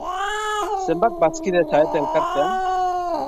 Zenbat bazkide zarete elkartean?